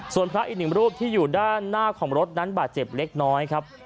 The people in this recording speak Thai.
ส่วนพระอีกหนึ่งรูปที่อยู่ด้านหน้าของรถนั้นบาดเจ็บเล็กน้อยครับ